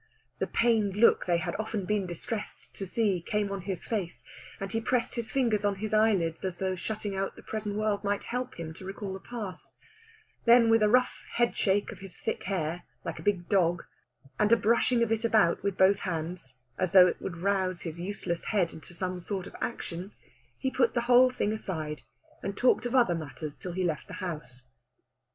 The pained look they had often been distressed to see came on his face, and he pressed his fingers on his eyelids as though shutting out the present world might help him to recall the past; then with a rough head shake of his thick hair, like a big dog, and a brushing of it about with both hands, as though he would rouse this useless head of his to some sort of action, he put the whole thing aside, and talked of other matters till he left the house.